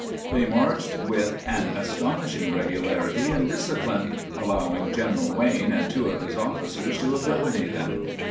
They marched with " an astonish ing regularity and discipline," allowing General Wayne and two of his officers to accompany them.